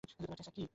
টেসা, কি--?